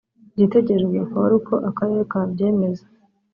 igitegerejwe akaba ari uko akarere kabyemeza